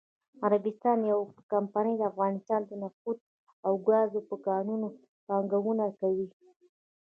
عربستان یوه کمپنی دافغانستان نفت او ګازو په کانونو پانګونه کوي.😱